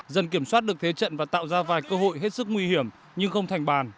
dần kiểm soát được thế trận và tạo ra vài cơ hội hết sức nguy hiểm nhưng không thành bàn